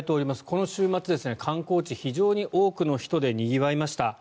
この週末、観光地非常に多くの人でにぎわいました。